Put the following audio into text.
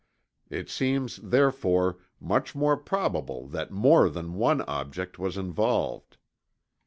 It seems therefore much more probable that more than one object was involved.